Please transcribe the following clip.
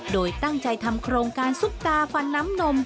โดยตั้งใจทำโครงการซุปตาฟันน้ำนม